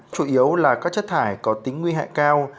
chủ yếu là các chất thải có tính nguy hại cao